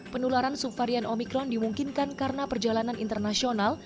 penularan subvarian omikron dimungkinkan karena perjalanan internasional